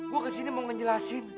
gue ke sini mau ngejelasin